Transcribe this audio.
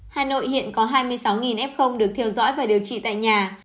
hà nội hiện có hai mươi sáu f được theo dõi và điều trị tại nhà